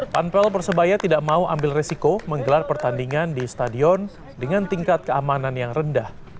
panpel persebaya tidak mau ambil resiko menggelar pertandingan di stadion dengan tingkat keamanan yang rendah